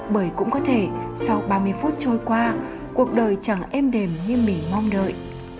bởi cũng có thể sau ba mươi phút trôi qua cuộc đời chẳng êm đềm như mình mong đợi